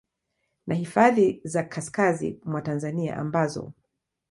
na hifadhi za kaskazi mwa Tanzania ambazo